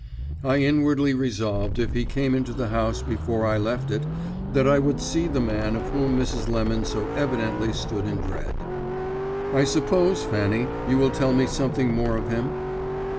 I inwardly resolved if he came into the house before I left it, that I would see the man of whom Mrs. Lemon so evidently stood in dread. "I suppose, Fanny, you will tell me something more of him."